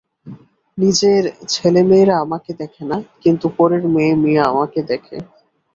নিজের ছেলেমেয়েরা আমাকে দেখে না, কিন্তু পরের মেয়ে মিয়া আমাকে দেখে।